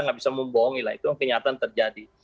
nggak bisa membohongi lah itu yang kenyataan terjadi